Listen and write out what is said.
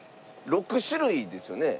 ６種類ですね。